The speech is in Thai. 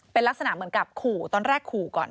เป็นลักษณะเหมือนกับขู่ตอนแรกขู่ก่อน